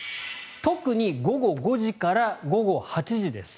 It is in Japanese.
特に午後５時から午後８時です。